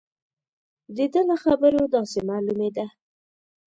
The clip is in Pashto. د ده له خبرو داسې معلومېده.